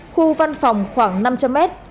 khu văn phòng khoảng năm trăm linh m